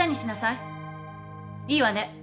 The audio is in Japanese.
いいわね？